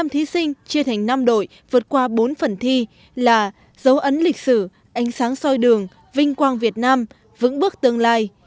một mươi thí sinh chia thành năm đội vượt qua bốn phần thi là dấu ấn lịch sử ánh sáng soi đường vinh quang việt nam vững bước tương lai